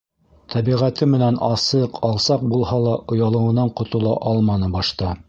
Тәбиғәте менән асыҡ, алсаҡ булһа ла, оялыуынан ҡотола алманы башта.